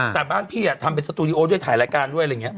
แต่บ้านพี่ทำเป็นสตูดิโอด้วยถ่ายละการด้วยละเนี่ย